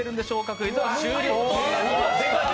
クイズ」は終了となります。